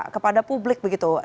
kepada publik begitu